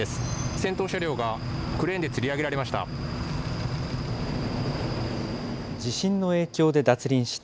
先頭車両がクレーンでつり上げられました。